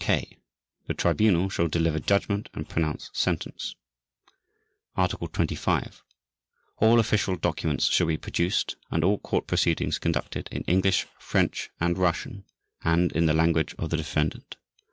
(k) The Tribunal shall deliver judgment and pronounce sentence. Article 25. All official documents shall be produced, and all court proceedings conducted, in English, French, and Russian, and in the language of the defendant.